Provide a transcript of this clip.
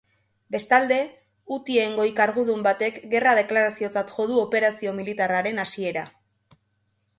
Bestalde, hutien goi kargudun batek gerra deklaraziotzat jo du operazio militarraren hasiera.